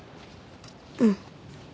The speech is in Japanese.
うん。